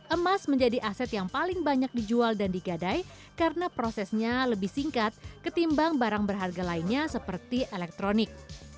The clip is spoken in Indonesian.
emas menjadi aset yang paling banyak dijual dan digadai karena prosesnya lebih singkat ketimbang barang berharga lainnya seperti elektronik